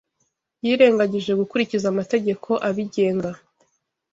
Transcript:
yirengagije gukurikiza amategeko abigenga